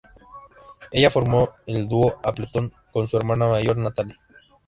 Ella formó el dúo Appleton con su hermana mayor Natalie.